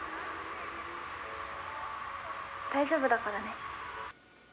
「大丈夫だからね」